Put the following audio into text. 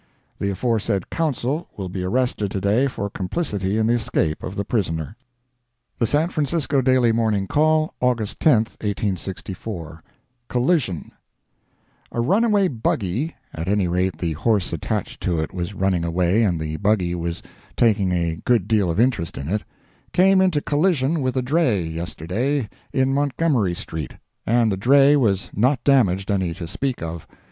The aforesaid "counsel" will be arrested to day for complicity in the escape of the prisoner. The San Francisco Daily Morning Call, August 10, 1864 COLLISION A runaway buggy (at any rate the horse attached to it was running away and the buggy was taking a good deal of interest in it,) came into collision with a dray, yesterday, in Montgomery street, and the dray was not damaged any to speak of.